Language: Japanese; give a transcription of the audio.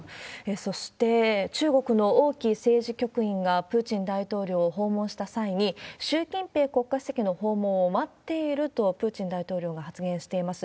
そして、中国の王毅政治局員がプーチン大統領を訪問した際に、習近平国家主席の訪問を待っていると、プーチン大統領が発言しています。